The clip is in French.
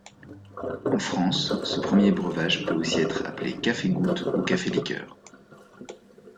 En France, ce premier breuvage peut aussi être appelé café-goutte ou café-liqueur.